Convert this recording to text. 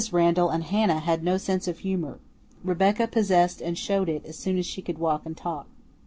Randall and Hannah had no sense of humor; Rebecca possessed and showed it as soon as she could walk and talk.